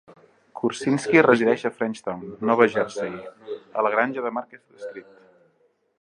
Kursinski resideix a Frenchtown, Nova Jersey, a la granja de Market Street.